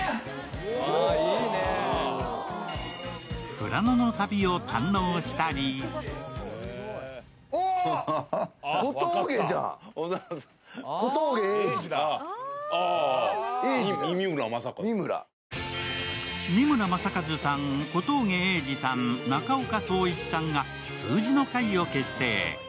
富良野の旅を堪能したり三村マサカズさん、小峠英二さん、中岡創一さんが「数字の会」を結成。